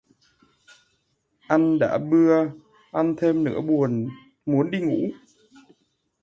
Ăn đã bưa, ăn thêm nữa muốn đi ngủ